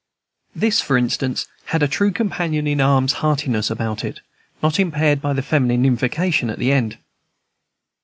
This, for instance, had a true companion in arms heartiness about it, not impaired by the feminine invocation at the end.